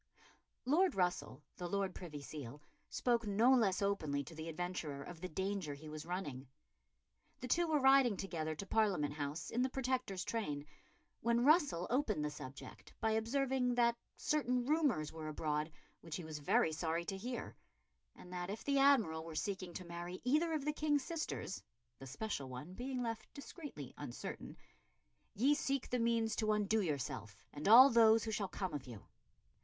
Lord Russell, the Lord Privy Seal, spoke no less openly to the adventurer of the danger he was running. The two were riding together to Parliament House in the Protector's train, when Russell opened the subject by observing that certain rumours were abroad which he was very sorry to hear, and that if the Admiral were seeking to marry either of the King's sisters the special one being left discreetly uncertain "ye seek the means to undo yourself and all those who shall come of you."